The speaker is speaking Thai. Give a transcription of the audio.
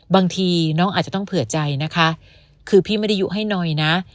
บางทีน้องอาจจะต้องเผื่อใจนะคะคือพี่ไม่ได้ยุให้หน่อยนะ